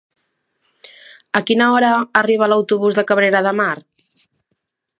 A quina hora arriba l'autobús de Cabrera de Mar?